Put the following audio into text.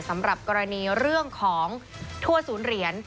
สำหรับกรณีเรื่องของทั่วศูนย์เหรียญ